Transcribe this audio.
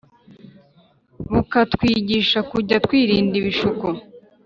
bukatwigisha kujya twirinda ibishuko